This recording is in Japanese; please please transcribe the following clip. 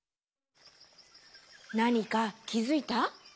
なにかきづいた？